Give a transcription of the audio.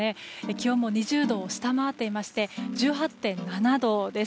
気温も２０度を下回っていまして１８．７度です。